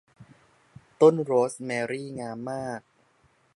ต้นโรสแมรี่งามมาก